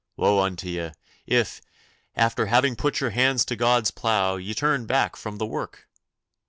Woe unto ye, if, after having put your hands to God's plough, ye turn back from the work!